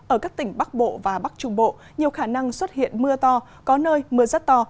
ở các tỉnh bắc bộ và bắc trung bộ nhiều khả năng xuất hiện mưa to có nơi mưa rất to